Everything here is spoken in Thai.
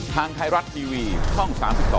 ทางไทยรัฐทีวีช่อง๓๒